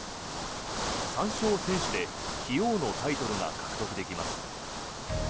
３勝先取で棋王のタイトルが獲得できます。